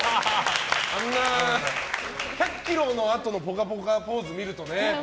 あんな１００ｋｍのあとの「ぽかぽか」ポーズ見るとね。